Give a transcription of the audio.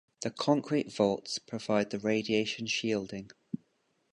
The concrete vaults provide the radiation shielding.